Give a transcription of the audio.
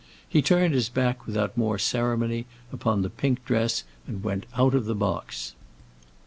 He turned his back without more ceremony upon the pink dress and went out of the box.